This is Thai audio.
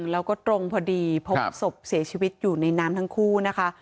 แล้วก็ตรงพอดีพบศพเสียชีวิตอยู่ในน้ำทั้งคู่นะคะ